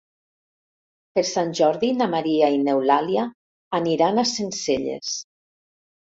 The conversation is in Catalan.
Per Sant Jordi na Maria i n'Eulàlia aniran a Sencelles.